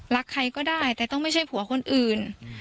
ใครก็ได้แต่ต้องไม่ใช่ผัวคนอื่น